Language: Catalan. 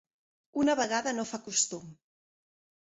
Una vegada no fa costum.